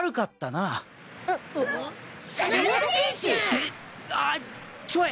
うっああちょい！